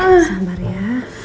bukan sabar ya